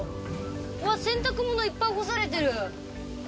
うわっ洗濯物いっぱい干されてる。